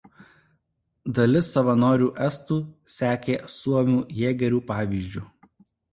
Dalis savanorių estų sekė suomių jėgerių pavyzdžiu.